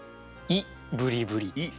「いブリブリ」。